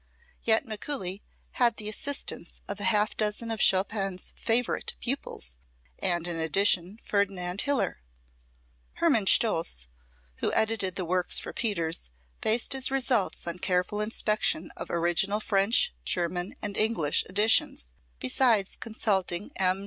Yet Mikuli had the assistance of a half dozen of Chopin's "favorite" pupils, and, in addition, Ferdinand Hiller. Herman Scholtz, who edited the works for Peters, based his results on careful inspection of original French, German and English editions, besides consulting M.